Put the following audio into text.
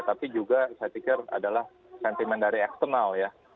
tapi juga saya pikir adalah sentimen dari eksternal ya